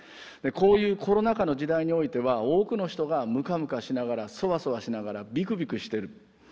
こういうコロナ禍の時代においては多くの人がムカムカしながらそわそわしながらビクビクしてる。